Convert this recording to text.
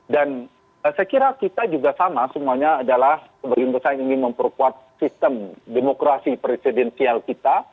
dan saya kira kita juga sama semuanya adalah berimbangkan ingin memperkuat sistem demokrasi presidensial kita